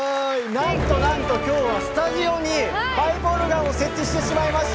なんとなんと今日はスタジオにパイプオルガンを設置してしまいました！